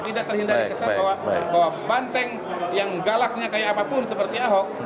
tidak terhindari kesan bahwa banteng yang galaknya kayak apapun seperti ahok